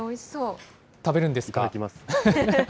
食べるんですか。